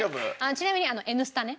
ちなみに『Ｎスタ』ね。